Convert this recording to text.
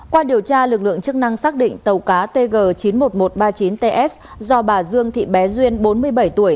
qua điều tra lực lượng chức năng xác định tàu cá tg chín mươi một nghìn một trăm ba mươi chín ts do bà dương thị bé duyên bốn mươi bảy tuổi